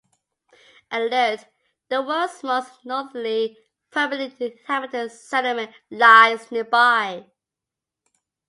Alert, the world's most northerly permanently inhabited settlement, lies nearby.